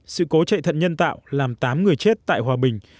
sự cố chạy thận nhân tạo làm tám người chết tại hòa bình